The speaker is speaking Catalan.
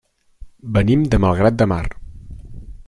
Venim de Malgrat de Mar.